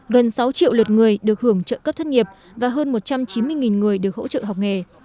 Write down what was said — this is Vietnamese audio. gần sáu triệu lượt người được hưởng trợ cấp thất nghiệp và hơn một trăm chín mươi người được hỗ trợ học nghề